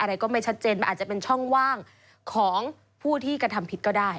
อะไรก็ไม่ชัดเจนมันอาจจะเป็นช่องว่างของผู้ที่กระทำผิดก็ได้